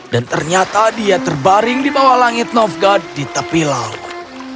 dan ternyata dia terbaring di bawah langit novgat di tepi laut